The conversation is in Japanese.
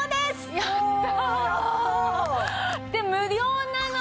やった！